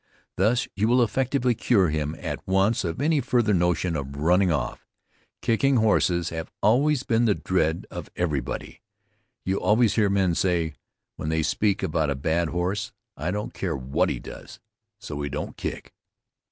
Thus you will effectually cure him at once of any further notion of running off. Kicking horses have always been the dread of every body; you always hear men say, when they speak about a bad horse, "I don't care what he does, so he don't kick."